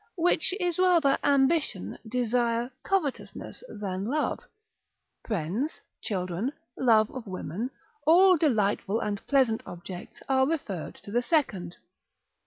which is rather ambition, desire, covetousness, than love: friends, children, love of women, all delightful and pleasant objects, are referred to the second.